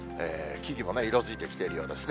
木々もね、色づいてきているようですね。